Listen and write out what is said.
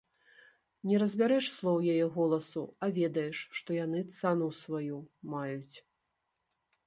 Не разбярэш слоў яе голасу, а ведаеш, што яны цану сваю маюць.